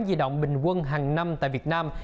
di động bình quân hàng năm tại việt nam